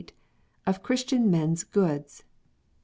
Of Christian Men s Goods.